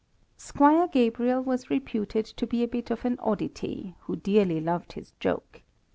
Squire Gabriel was reputed to be a bit of an oddity, who dearly loved his joke.